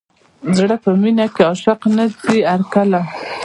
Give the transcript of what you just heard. زړه په مینه کې عاشق نه ځي هر کله.